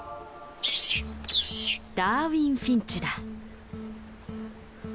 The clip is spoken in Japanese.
ダーウィンフィンチだ。